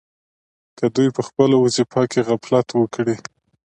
که دوی په خپله وظیفه کې غفلت وکړي.